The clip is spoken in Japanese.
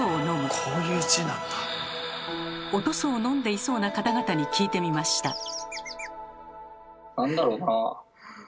お屠蘇を飲んでいそうな方々に聞いてみました。